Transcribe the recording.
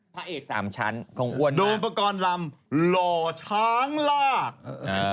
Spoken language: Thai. พระเอกสามชั้นคงอ้วนมากดูอุปกรณ์ลำโหช้างลาก